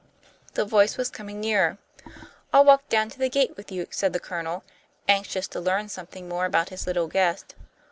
The voice was coming nearer. "I'll walk down to the gate with you," said the Colonel, anxious to learn something more about his little guest.